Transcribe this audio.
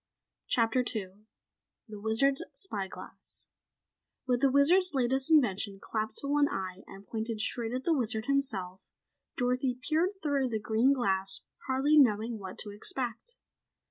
CHAPTER 2 The Wizard's Spy Glass With the Wizard's latest invention clapped to one eye and pointed straight at the Wizard himself, Dorothy peered through the green glass hardly knowing what to expect.